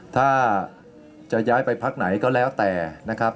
ถ้าจะย้ายไปพักไหนก็แล้วแต่นะครับ